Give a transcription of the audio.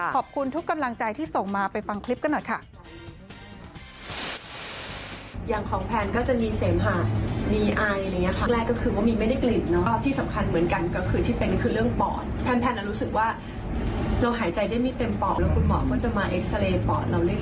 ขอบคุณทุกกำลังใจที่ส่งมาไปฟังคลิปกันหน่อยค่ะ